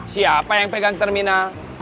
siapa yang pegang terminal